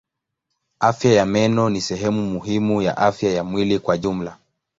Afya ya meno ni sehemu muhimu ya afya ya mwili kwa jumla.